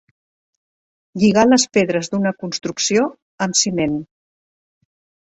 Lligar les pedres d'una construcció amb ciment.